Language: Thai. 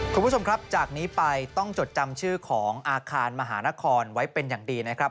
คุณผู้ชมครับจากนี้ไปต้องจดจำชื่อของอาคารมหานครไว้เป็นอย่างดีนะครับ